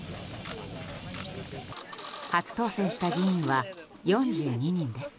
初当選した議員は４２人です。